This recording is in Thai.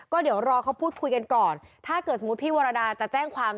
ก็เดี๋ยวรอเขาพูดคุยกันก่อนถ้าเกิดสมมุติพี่วรดาจะแจ้งความ